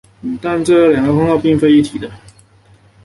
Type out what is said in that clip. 但这两个称号并非一体的。